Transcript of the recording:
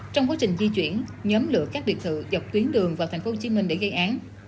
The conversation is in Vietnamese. trong quá trình di chuyển nhóm lựa các biệt thự dọc tuyến đường vào tp hcm để gây án